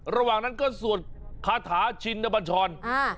ระหว่างนั้นก็สวดคาถาชินบัญชรอ่า